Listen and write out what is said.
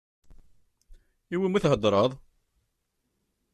Iwumi theddṛeḍ?